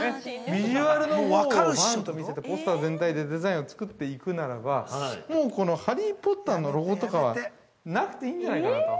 ビジュアルのほうをバンと見せて、ポスター全体でデザインを作っているなら、もうこの「ハリー・ポッター」のロゴとかは、なくていいんじゃないかなと。